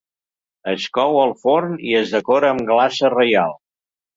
Es cou al forn i es decora amb glaça reial.